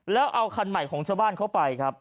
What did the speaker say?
แล้วเอาคันใหม่ของชาวบ้านเข้าไปครับ